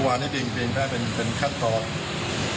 วันนี้เปลี่ยนแพ้เป็นคันตอบ